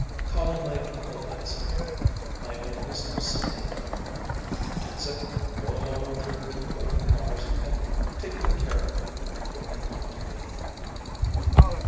Calling my Uncle Isaac, my old mistress said to him, "Isaac, go along with your young Mars Edmund, take good care of him, and bring him home to me."